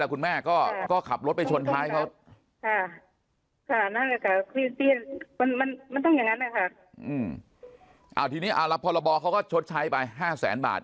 อือถึงพอรบอเขาก็ชดใช้ไป๕แสนบาท